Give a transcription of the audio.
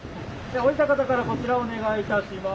降りた方からこちらお願いします。